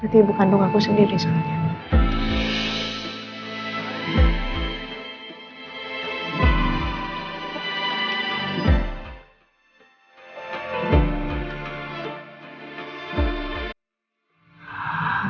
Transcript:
tapi bukan dong aku sendiri soalnya